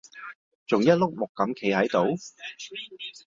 仲一碌木咁企喺度？